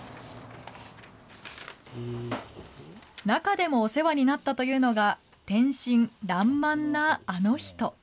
中でもお世話になったというのが、天真らんまんなあの人。